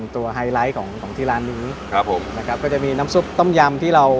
ไฮไลท์ของของที่ร้านนี้ครับผมนะครับก็จะมีน้ำซุปต้มยำที่เรา